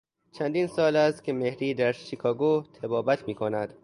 چندین سال است که مهری در شیکاگو طبابت میکند.